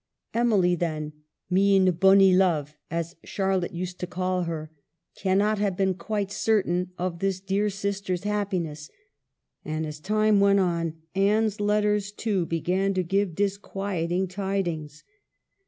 Emily then, " Mine bonnie love," as Charlotte used to call her, cannot have been quite certain of this dear sister's happiness ; and as time went on, Anne's letters, too, began to give disquieting tidings.